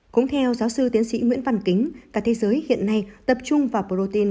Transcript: cũng theo giáo sư tiến sĩ nguyễn văn kính cả thế giới hiện nay tập trung vào protein